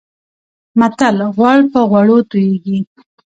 متل: غوړ پر غوړو تويېږي.